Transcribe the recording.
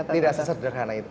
tidak sederhana itu